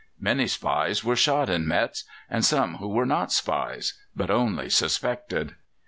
Many spies were shot in Metz, and some who were not spies, but only suspected.